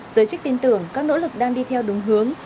giới chức tin tưởng các nỗ lực đang đi theo đúng hướng